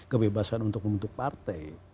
kebebasan untuk membentuk partai